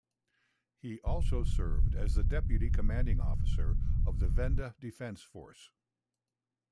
He also served as the deputy commanding officer of the Venda Defence Force.